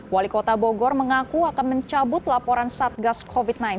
wali kota bogor mengaku akan mencabut laporan satgas covid sembilan belas